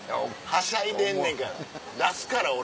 はしゃいでんねんから出すから俺。